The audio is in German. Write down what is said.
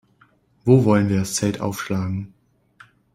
Wo wollen wir das Zelt aufschlagen?